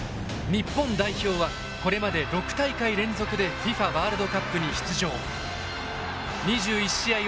日本代表はこれまで６大会連続でＦＩＦＡワールドカップに出場。